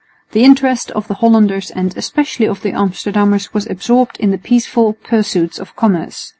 The interest of the Hollanders and especially of the Amsterdammers was absorbed in the peaceful pursuits of commerce.